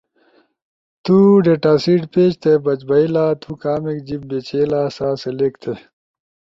تو ڈیٹاسیٹ پیج تے بج بھئی لا، تو کامیک جیِب بیچیلا سا سلیکٹ تھی،